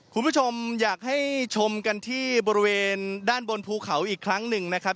คุณผู้ชมอยากให้ชมกันที่บริเวณด้านบนภูเขาอีกครั้งหนึ่งนะครับ